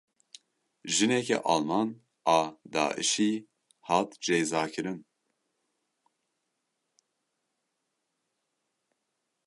Jineke Alman a Daişî hat cezakirin.